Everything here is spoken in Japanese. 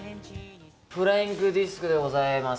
フライングディスクでございます。